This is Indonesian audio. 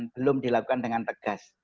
belum dilakukan dengan tegas